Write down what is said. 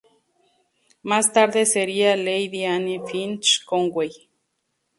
Más tarde sería Lady Anne Finch Conway.